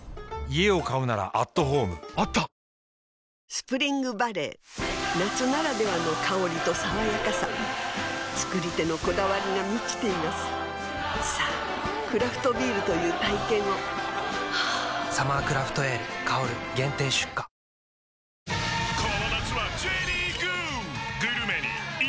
スプリングバレー夏ならではの香りと爽やかさ造り手のこだわりが満ちていますさぁクラフトビールという体験を「サマークラフトエール香」限定出荷暑い日が続き